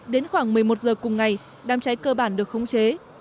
đến khoảng một mươi một h cùng ngày đám cháy cơ bản được khống chế